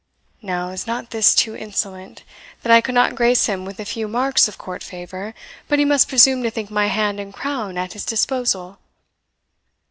Now, is not this too insolent that I could not grace him with a few marks of court favour, but he must presume to think my hand and crown at his disposal?